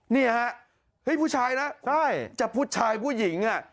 นี่ฮะเฮ้ยผู้ชายนะใช่จะผู้ชายผู้หญิงอ่ะ